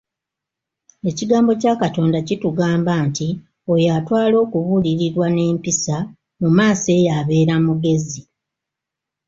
"Ekigambo kya Katonda kitugamba nti oyo atwala okubuulirirwa n'empisa, mu maaso eyo abeera mugezi."